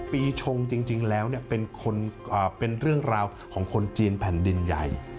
ปีชงจริงแล้วเป็นเรื่องราวของคนจีนแผ่นดินใหญ่